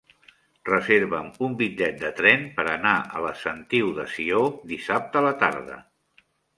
Reserva'm un bitllet de tren per anar a la Sentiu de Sió dissabte a la tarda.